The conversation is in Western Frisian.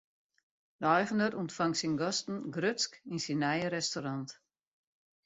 De eigener ûntfangt syn gasten grutsk yn syn nije restaurant.